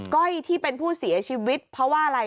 ก้อยที่เป็นผู้เสียชีวิตเพราะว่าอะไร